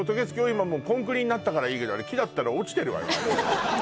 今もうコンクリになったからいいけど木だったら落ちてるわよ